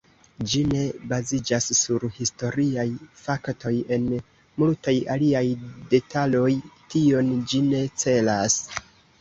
Ĝi ne baziĝas sur historiaj faktoj en multaj aliaj detaloj; tion ĝi ne celas.